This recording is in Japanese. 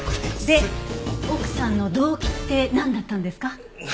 で奥さんの動機ってなんだったんですか？